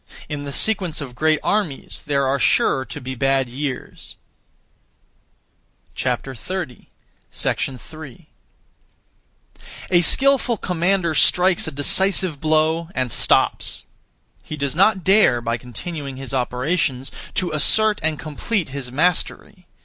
In the sequence of great armies there are sure to be bad years. 3. A skilful (commander) strikes a decisive blow, and stops. He does not dare (by continuing his operations) to assert and complete his mastery.